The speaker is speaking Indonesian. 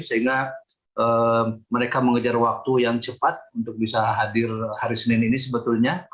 sehingga mereka mengejar waktu yang cepat untuk bisa hadir hari senin ini sebetulnya